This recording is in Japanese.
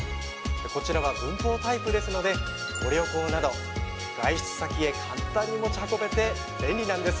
こちらは分包タイプですのでご旅行など外出先へ簡単に持ち運べて便利なんです。